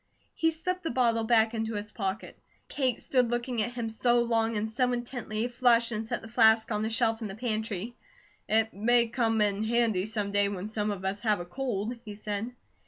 He slipped the bottle back in his pocket. Kate stood looking at him so long and so intently, he flushed and set the flask on a shelf in the pantry. "It may come in handy some day when some of us have a cold," he said.